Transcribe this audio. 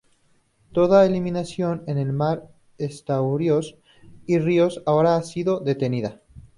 Toda eliminación en el mar, estuarios y ríos ahora ha sido detenida.